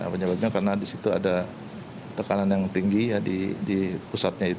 penyebabnya karena di situ ada tekanan yang tinggi di pusatnya itu